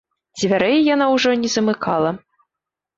Дзвярэй яна ўжо не замыкала.